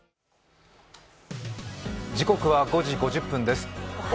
時刻は５時５０分です。